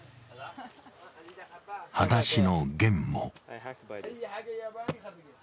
「はだしのゲン」も。